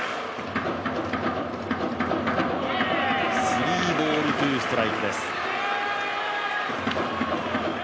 スリーボールツーストライクです。